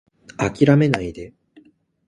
諦めないで